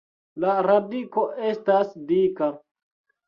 La radiko estas dika.